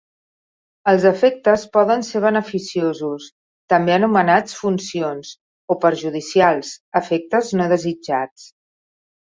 Els efectes poden ser beneficiosos, també anomenats "funcions", o perjudicials, "efectes no desitjats".